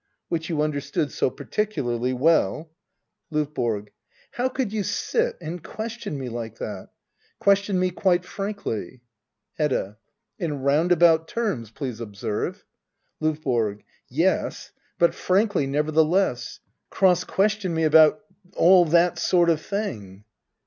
Which you understood so particularly well LOVBORO. How could you sit and question me like that ? Question me quite frankly Hedda. In roundabout terms, please observe. LOVBORO. Yes, but frankly nevertheless. Cross question me about — all that sort of thing